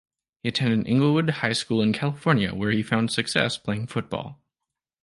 He attended Inglewood High School in California where he found success playing football.